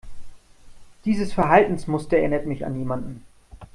Dieses Verhaltensmuster erinnert mich an jemanden.